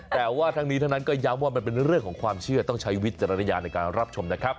แต่ว่าทั้งนี้ทั้งนั้นก็ย้ำว่ามันเป็นเรื่องของความเชื่อต้องใช้วิจารณญาณในการรับชมนะครับ